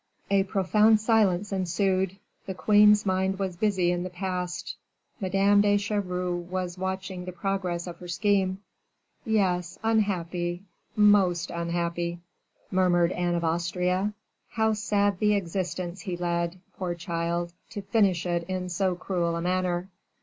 '" A profound silence ensued; the queen's mind was busy in the past; Madame de Chevreuse was watching the progress of her scheme. "Yes, unhappy, most unhappy!" murmured Anne of Austria; "how sad the existence he led, poor child, to finish it in so cruel a manner."